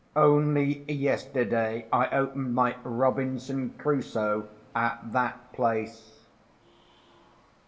Only yesterday, I opened my Robinson Crusoe at that place.